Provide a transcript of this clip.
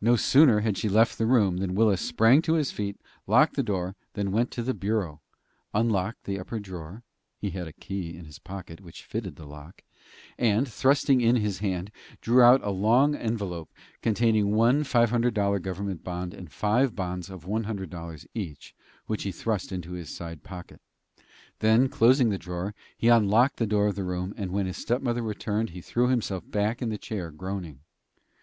No sooner had she left the room than Willis sprang to his feet, locked the door, then went to the bureau, unlocked the upper drawer he had a key in his pocket which fitted the lock and, thrusting in his hand, drew out a long envelope containing one five hundred dollar government bond and five bonds of one hundred dollars each, which he thrust into his side pocket. Then, closing the drawer, he unlocked the door of the room, and when his step mother returned he threw himself back in his chair, groaning.